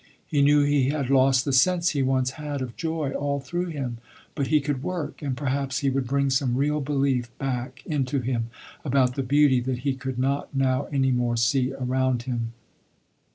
He knew he had lost the sense he once had of joy all through him, but he could work, and perhaps he would bring some real belief back into him about the beauty that he could not now any more see around him.